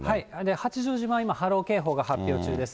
八丈島は今、波浪警報が発表中です。